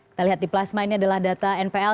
kita lihat di plasma ini adalah data npl